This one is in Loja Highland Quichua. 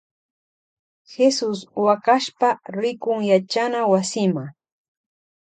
Jesus wakashpa rikun yachana wasima.